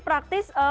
mereka bisa berlatih